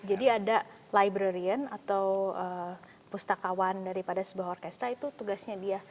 jadi ada librarian atau pustakawan daripada sebuah orkestra itu tugasnya dia